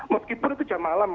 meskipun itu jam malam